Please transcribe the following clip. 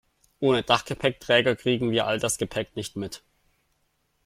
Ohne Dachgepäckträger kriegen wir all das Gepäck nicht mit.